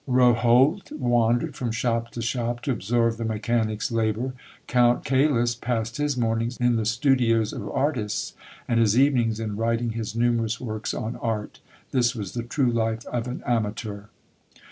Rohault wandered from shop to shop to observe the mechanics labour; Count Caylus passed his mornings in the studios of artists, and his evenings in writing his numerous works on art. This was the true life of an amateur.